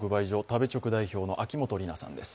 食べチョク代表の秋元里奈さんです。